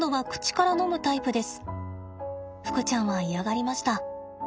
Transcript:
ふくちゃんは嫌がりました。